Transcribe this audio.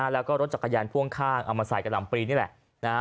แล้วก็รถจักรยานพ่วงข้างเอามาใส่กระหล่ำปรีนี่แหละ